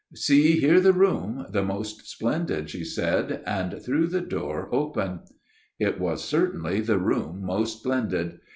"' See here the room, the most splendid/ she said ; and threw the door open. " It was certainly the room most splendid.